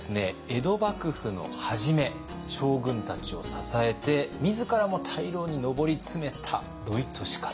江戸幕府の初め将軍たちを支えて自らも大老に上り詰めた土井利勝。